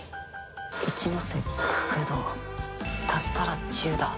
一ノ瀬九堂足したら１０だ。